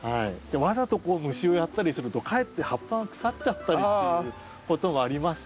わざと虫をやったりするとかえって葉っぱが腐っちゃったりっていうこともありますので。